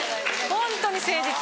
ホントに誠実。